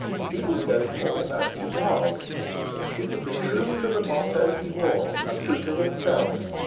He would go forth as he was. He would be true to the motto he wore, and true to himself.